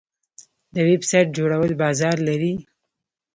د ویب سایټ جوړول بازار لري؟